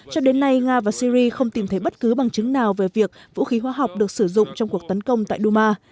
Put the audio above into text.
cho đến nay nga và syri không tìm thấy bất cứ bằng chứng nào về việc vũ khí hóa học được sử dụng trong cuộc tấn công tại duma